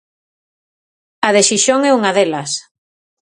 A de Xixón é unha delas.